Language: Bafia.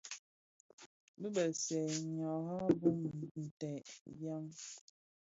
Bi bësè ñaran bum binted byan?